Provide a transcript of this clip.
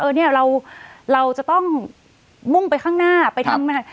เนี่ยเราจะต้องมุ่งไปข้างหน้าไปทำงาน